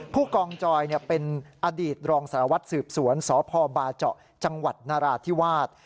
ผู้กองจอยเป็นอดีตรองสารวัตรสืบสวนสพบาเจาะจังหวัดนราธิวาส